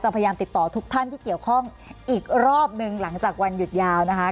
พยายามติดต่อทุกท่านที่เกี่ยวข้องอีกรอบหนึ่งหลังจากวันหยุดยาวนะคะ